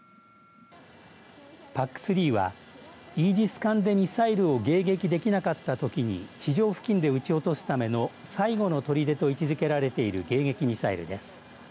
ＰＡＣ３は、イージス艦でミサイルを迎撃できなかったときに地上付近で撃ち落とすための最後のとりでと位置づけられている迎撃ミサイルです。